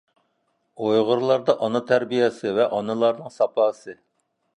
ئۇيغۇرلاردا ئانا تەربىيەسى ۋە ئانىلارنىڭ ساپاسى.